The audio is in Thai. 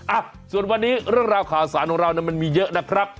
อ่ะส่วนวันนี้เรื่องราวข่าวสารของเรามันมีเยอะนะครับ